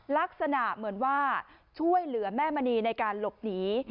ลักษณะเหมือนว่าช่วยเหลือแม่มณีในการหลบหนี